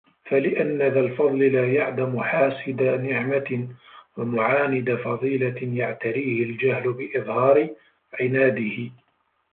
فَلِأَنَّ ذَا الْفَضْلِ لَا يَعْدَمُ حَاسِدَ نِعْمَةٍ وَمُعَانِدَ فَضِيلَةٍ يَعْتَرِيهِ الْجَهْلُ بِإِظْهَارِ عِنَادِهِ